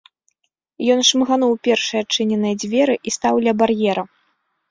Ён шмыгануў у першыя адчыненыя дзверы і стаў ля бар'ера.